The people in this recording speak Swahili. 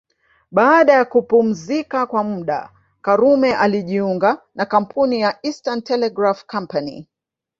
Baada ya kupumzika kwa muda Karume alijiunga na kampuni ya Eastern Telegraph Company